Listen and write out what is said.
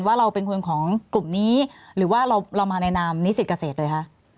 ว่าเราเป็นคนของกลุ่มนี้หรือว่าเรามาในนามนิสิตเกษตรเลยคะ